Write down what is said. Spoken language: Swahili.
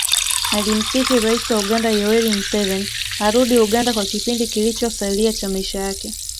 Alimsihi rais wa Uganda Yoweri Museveni arudi Uganda kwa kipindi kilichosalia cha maisha yake